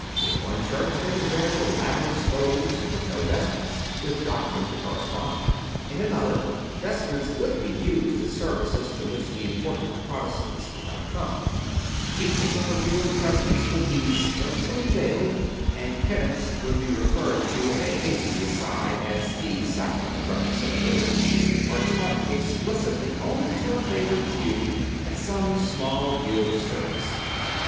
In one church they would wear elaborate stoles but no vestments, with doctrine to correspond; in another, vestments would be used at services to which the important Protestants did not come; teaching on the Real Presence would be skilfully veiled, and Penance would be referred to in a hasty aside as the "Sacrament of reconciliation," or taught ex plicitly only to a favoured few at some small guild CONFESSIONS OF A CONVERT 71 service.